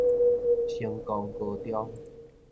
成功高中